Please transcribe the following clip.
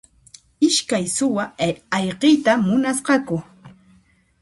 Iskay suwa ayqiyta munasqaku.